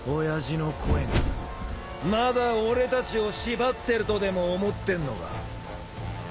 親父の声がまだ俺たちを縛ってるとでも思ってんのか？